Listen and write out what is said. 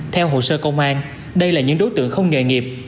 theo hồ sơ công an đây là những đối tượng không nghề nghiệp